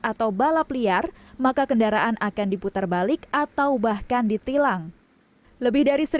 atau balap liar maka kendaraan akan diputar balik atau bahkan ditilang lebih dari